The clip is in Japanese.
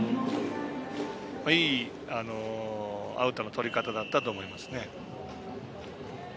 いいアウトのとり方だったと思いますね。